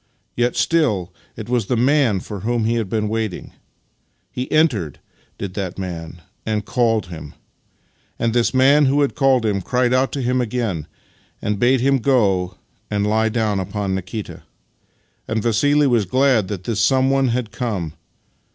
Yet still it was the Man for whom he had been waiting. He entered — did that Man — and called him: and this Man who had called him cried out to him again and bade him go and lie down upon Nikita. And Vassili was glad that this Someone had come.